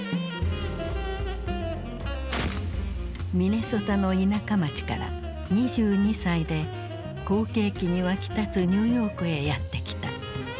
ミネソタの田舎町から２２歳で好景気に沸き立つニューヨークへやって来た。